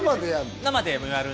生でやるの？